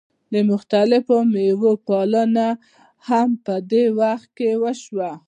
د مختلفو میوو پالنه هم په دې وخت کې وشوه.